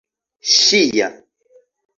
ŝia